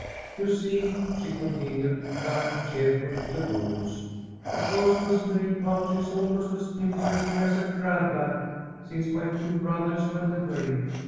"You see," she continued, clucking cheerfully to Bogus, "the postman's mail pouch is almost as interesting as a grab bag, since my two brothers went away.